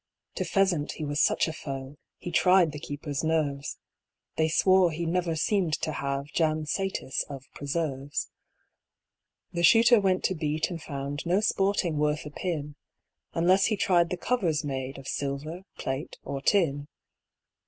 To pheasant he was such a foe, He tried the keepers' nerves; They swore he never seem'd to have Jam satis of preserves. The Shooter went to beat, and found No sporting worth a pin, Unless he tried the covers made Of silver, plate, or tin.